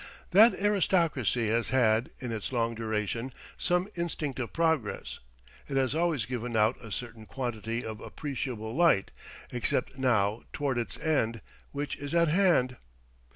That aristocracy has had, in its long duration, some instinct of progress. It has always given out a certain quantity of appreciable light, except now towards its end, which is at hand.